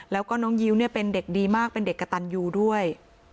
แล้วก็น้องยิ้วเป็นเด็กดีมากเป็นเด็กกระตันยูด้วย